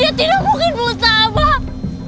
dia tidak mungkin buta abang